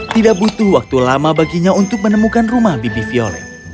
tidak butuh waktu lama baginya untuk menemukan rumah bibi violet